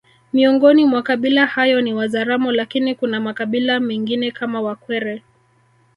Miongoni mwa kabila hayo ni Wazaramo lakini kuna makabila mengine kama wakwere